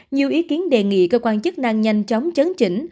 nhiều ý kiến đề nghị cơ quan chức năng nhanh chóng chấn chỉnh